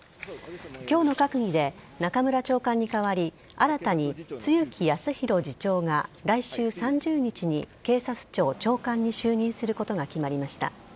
今日の閣議で中村長官に代わり新たに露木康浩次長が来週３０日に警察庁長官に就任することが決まりました。